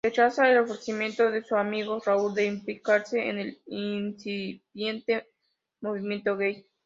Rechaza el ofrecimiento de su amigo Raúl de implicarse en el incipiente movimiento gay.